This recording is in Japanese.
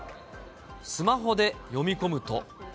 スマホで読み込むと。